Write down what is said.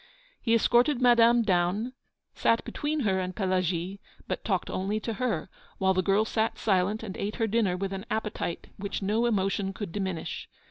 He escorted Madame down, sat between her and Pelagie, but talked only to her; while the girl sat silent and ate her dinner with an appetite which no emotion could diminish.